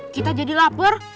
kita jadi lapar